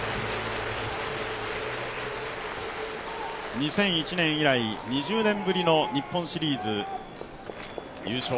２００１年以来２０年ぶりの日本シリーズ優勝。